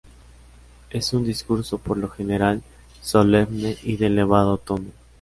Es un discurso por lo general solemne y de elevado tono.